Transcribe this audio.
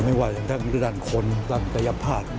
ไม่ว่าทั้งด้านคนด้านประยะภาษณ์